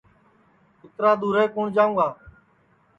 اِترا دُؔورے کُوٹؔ جاؤں گا